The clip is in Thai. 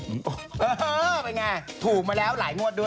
เออเป็นอย่างไรถูมมาแล้วหลายงวดด้วย